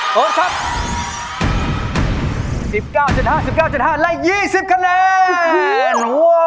โอเคครับ๑๙๗๕๑๕และ๒๐คะแนน